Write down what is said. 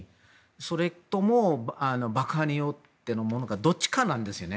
それとも、爆破によってのものかどっちかなんですね